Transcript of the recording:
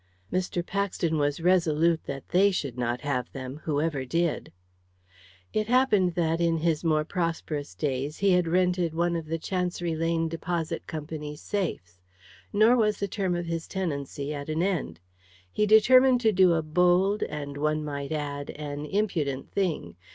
Mr. Paxton was resolute that they should not have them, who ever did. It happened that, in his more prosperous days, he had rented one of the Chancery Lane Deposit Company's safes. Nor was the term of his tenancy at an end. He determined to do a bold, and, one might add, an impudent thing.